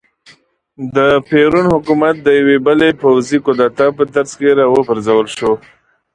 د پېرون حکومت د یوې بلې پوځي کودتا په ترڅ کې را وپرځول شو.